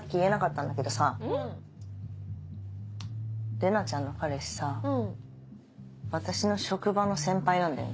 玲奈ちゃんの彼氏さ私の職場の先輩なんだよね。